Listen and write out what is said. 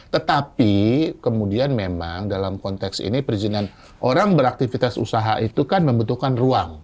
tetapi kemudian memang dalam konteks ini perizinan orang beraktivitas usaha itu kan membutuhkan ruang